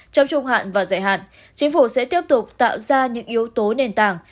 trong trung hạn và dài hạn chính phủ sẽ tiếp tục tạo ra những yếu tố nền tảng